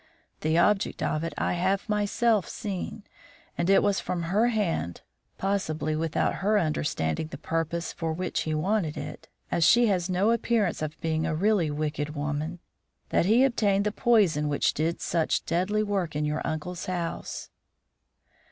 The object of it I have myself seen, and it was from her hand (possibly without her understanding the purpose for which he wanted it, as she has no appearance of being a really wicked woman) that he obtained the poison which did such deadly work in your uncle's house."